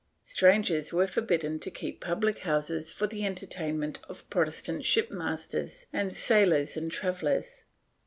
Strangers were forbidden to keep public houses for the entertain ment of Protestant shipmasters and sailors or travellers.